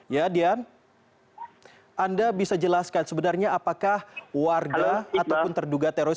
ya dian anda bisa jelaskan sebenarnya apakah warga ataupun terduga teroris